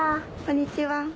こんにちは。